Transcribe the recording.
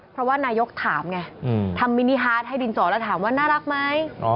เพราะว่านายกถามไงทำมินิฮาร์ดให้ดินสอแล้วถามว่าน่ารักไหม